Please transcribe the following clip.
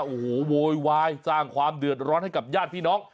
โอ้โหโวยวายสร้างความเดือดร้อนให้กับญาติพี่น้อง